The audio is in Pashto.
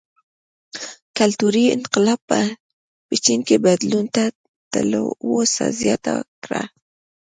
کلتوري انقلاب په چین کې بدلون ته تلوسه زیاته کړه.